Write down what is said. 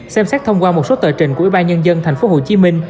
xem xét thông qua một số tờ trình của ủy ban nhân dân tp hcm